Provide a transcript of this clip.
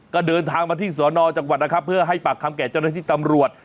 ก็เดินทางมาที่สอนอจังหวัดนะครับเพื่อให้ปากคำแก่เจ้าหน้าที่ตำรวจ